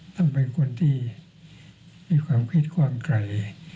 ต้องเป็นคนที่มีความคิดความไกล